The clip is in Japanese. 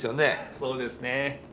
そうですね。